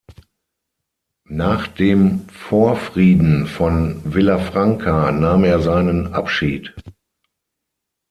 Nach dem Vorfrieden von Villafranca nahm er seinen Abschied.